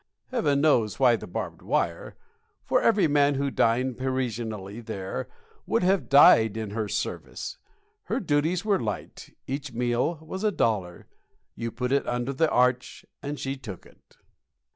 Heaven knows why the barbed wire; for every man who dined Parisianly there would have died in her service. Her duties were light; each meal was a dollar; you put it under the arch, and she took it.